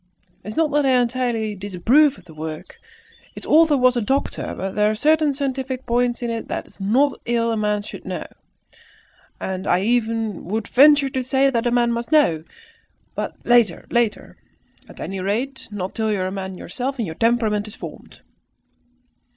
"It is not that I entirely disapprove of the work. Its author was a doctor! There are certain scientific points in it that it is not ill a man should know, and I would even venture to say that a man must know. But later later! At any rate, not till you are man yourself and your temperament is formed."